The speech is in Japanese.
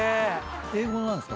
英語なんですか？